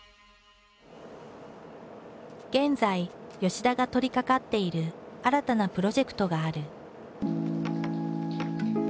現在田が取りかかっている新たなプロジェクトがある。